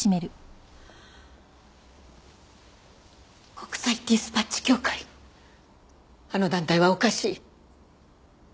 国際ディスパッチ協会あの団体はおかしい。